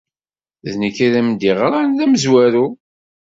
D nekk ay am-d-yeɣran d amezwaru.